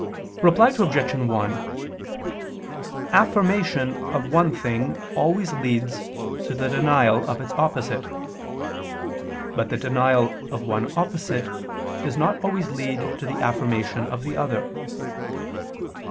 Reply Obj. 1: Affirmation of one thing always leads to the denial of its opposite: but the denial of one opposite does not always lead to the affirmation of the other.